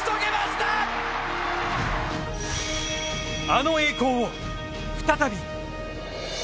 あの栄光を再び。